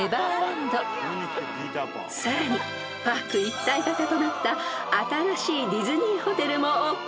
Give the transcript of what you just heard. ［さらにパーク一体型となった新しいディズニーホテルもオープン予定］